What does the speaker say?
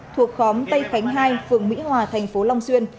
thuộc khóm tây khánh hai phường mỹ hòa thành phố long xuyên